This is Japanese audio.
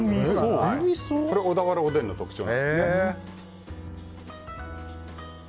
小田原おでんの特徴なんですね。